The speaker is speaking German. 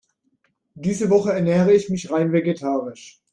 Diese Woche ernähre ich mich rein vegetarisch.